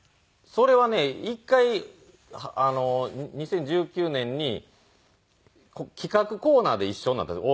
それはね１回２０１９年に企画コーナーで一緒になったんです。